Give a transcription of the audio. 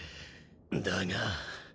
だが。